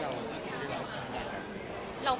ไม่ได้ค่ะหมายถึงว่าอะไรคะ